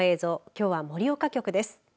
きょうは盛岡局です。